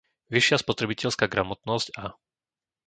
vyššia spotrebiteľská gramotnosť a